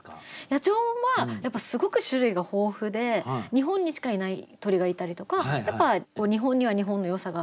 野鳥はやっぱすごく種類が豊富で日本にしかいない鳥がいたりとか日本には日本のよさがある野鳥はすてきだなと思います。